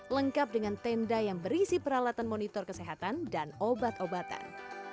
lengkap dengan tenda yang berisi peralatan monitor kesehatan dan obat obatan